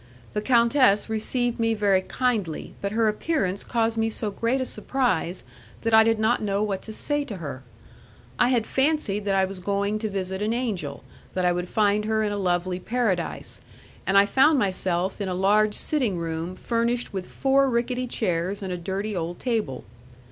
The countess received me very kindly, but her appearance caused me so great a surprise that I did not know what to say to her. I had fancied that I was going to visit an angel, that I would find her in a lovely paradise, and I found myself in a large sitting room furnished with four rickety chairs and a dirty old table.